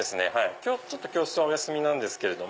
今日教室はお休みなんですけれども。